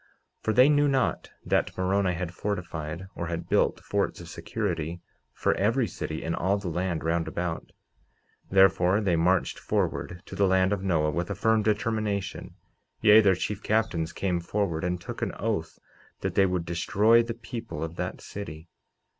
49:13 For they knew not that Moroni had fortified, or had built forts of security, for every city in all the land round about; therefore, they marched forward to the land of Noah with a firm determination; yea, their chief captains came forward and took an oath that they would destroy the people of that city.